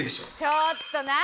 ちょっと何？